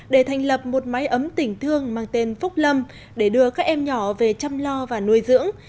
để thành lập một máy ấm tỉnh thương mang tên phúc lâm để đưa các em nhỏ về chăm lo và nuôi dưỡng